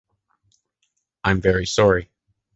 I’m very sorry.